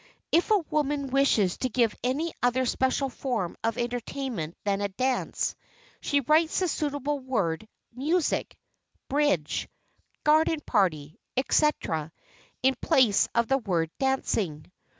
If a woman wishes to give any other special form of entertainment than a dance, she writes the suitable word, "Music," "Bridge," "Garden party," etc., in place of the word "Dancing."